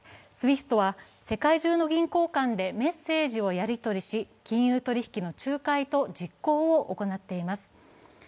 ＳＷＩＦＴは世界中の銀行間でメッセージをやりとりし、金融取引の仲介と実行を行っています。